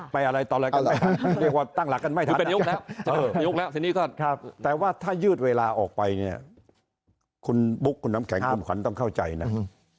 ไปอะไรต่อแล้วกันไม่ทันเรียกว่าตั้งหลักกันไม่ทัน